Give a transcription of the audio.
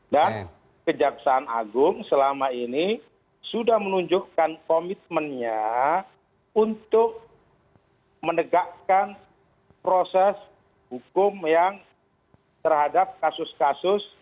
dan kejaksaan agung selama ini sudah menunjukkan komitmennya untuk menegakkan proses hukum yang terhadap kasus kasus